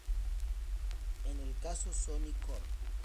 En el caso "Sony Corp.